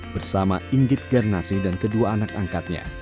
bersama inggit garnasi dan kedua anak angkatnya